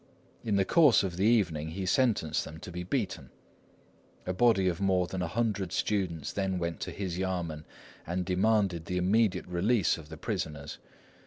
In the course of the evening he sentenced them to be beaten. A body of more than a hundred students then went to his yamên and demanded the immediate release of the prisoners.